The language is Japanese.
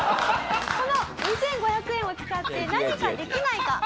この２５００円を使って何かできないか？